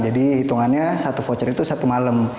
jadi hitungannya satu voucher itu satu malam